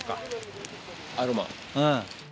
うん。